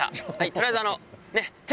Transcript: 取りあえず。